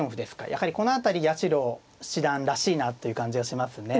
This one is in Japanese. やはりこの辺り八代七段らしいなという感じがしますね。